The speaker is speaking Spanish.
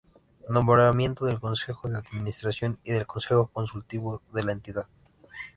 Nombramiento del Consejo de Administración y del Consejo Consultivo de la entidad.